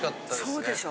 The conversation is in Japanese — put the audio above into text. そうでしょ？